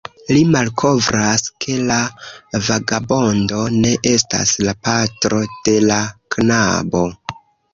Li malkovras, ke la vagabondo ne estas la patro de la knabo.